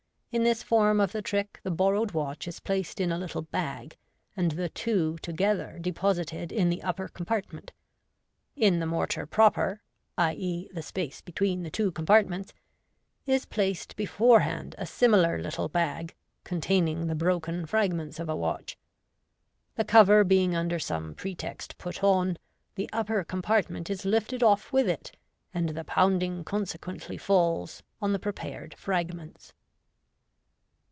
In this form of the trick the borrowed watch is placed in a little bag, and the two together deposited in the upper compartment. In the mortar proper — i.*., the space between the two compartments — is placed before hand a similar little bag, containing the broken fragments of a watch. The cover being under some pretext put on, the upper compartment is lifted off with it, and the pounding consequently falls on the pre pared fragments.